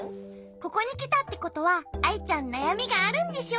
ここにきたってことはアイちゃんなやみがあるんでしょ？